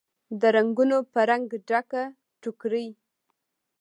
د رنګونوپه رنګ، ډکه ټوکرۍ